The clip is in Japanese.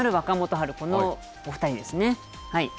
春、このお２人ですね。